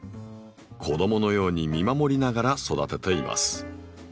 子どものように見守りながら育てています。